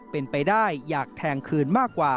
เป็นไปได้อยากแทงคืนมากกว่า